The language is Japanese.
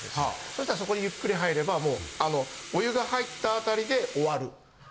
そしたらそこにゆっくり入ればもうお湯が入ったあたりで終わる。